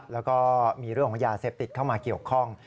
แล้วก็มีเรื่องของยาเสพติดเข้ามาเกี่ยวข้อง